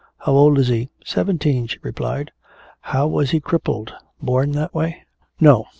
"How old is he?" "Seventeen," she replied. "How was he crippled? Born that way?" "No.